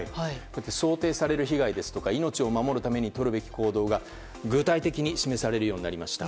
想定される被害や命を守るためにとるべき行動が具体的に示されるようになりました。